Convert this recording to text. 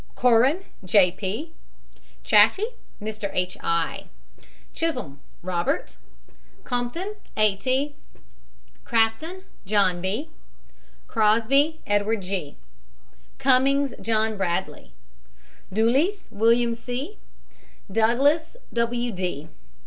CORRAN, J. P. CHAFEE, MR. H. I. CHISHOLM, ROBERT. COMPTON, A. T. CRAFTON, JOHN B. CROSBY, EDWARD G. CUMMINGS, JOHN BRADLEY. DULLES, WILLIAM C. DOUGLAS, W. D.